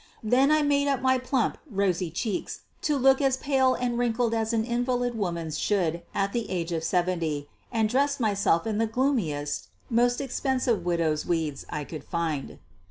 Then I made up my plump, rosy cheeks to look as pale and wrinkled as an invalid woman's should at the age of seventy and dressed myself in the gloomiest, most expensive widow's weeds I could find.